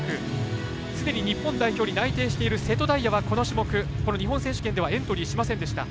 すでに日本代表に内定している瀬戸大也はこの種目、日本選手権ではエントリーしませんでした。